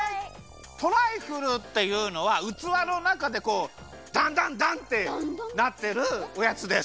トライフルっていうのはうつわのなかでこうダンダンダンってなってるおやつです！